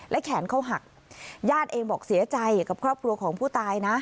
แขนเขาหักญาติเองบอกเสียใจกับครอบครัวของผู้ตายนะ